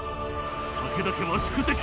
武田家は宿敵。